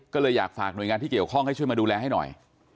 ก็เลยอยากฝากหน่วยงานที่เกี่ยวข้องให้ช่วยมาดูแลให้หน่อย